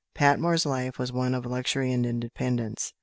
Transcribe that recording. Patmore's life was one of luxury and independence.